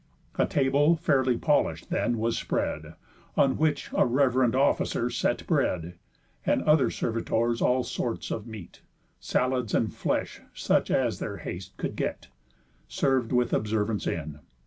A table fairly polish'd then was spread, On which a rev'rend officer set bread, And other servitors all sorts of meat (Salads, and flesh, such as their haste could get) Serv'd with observance in.